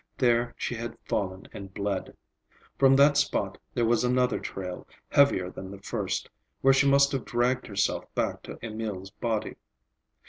There she had fallen and bled. From that spot there was another trail, heavier than the first, where she must have dragged herself back to Emil's body.